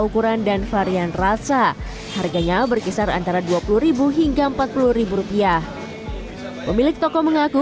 ukuran dan varian rasa harganya berkisar antara dua puluh hingga empat puluh rupiah pemilik toko mengaku